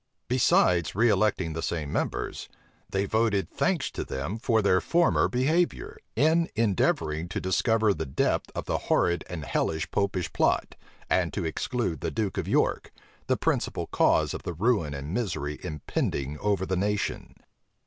Besides reelecting the same members, they voted thanks to them for their former behavior, in endeavoring to discover the depth of the horrid and hellish Popish plot, and to exclude the duke of York, the principal cause of the ruin and misery impending over the nation.